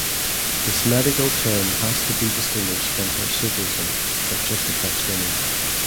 This medical term has to be distinguished from hirsutism that just affects women.